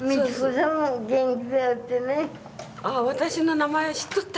ああ私の名前知っとった？